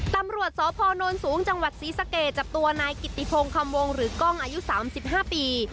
ตำรวจสพนสูงจังหวัดศรีสะเกดจับตัวนายกิติพงคำวงหรือกล้องอายุ๓๕ปี